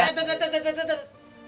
eh tunggu tunggu tunggu